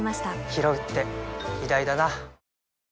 ひろうって偉大だな